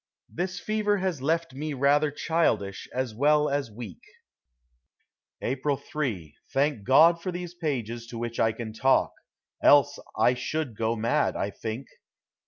This fever has left me rather childish as well as weak. April 3. Thank God for these pages to which I can talk, else I should go mad, I think.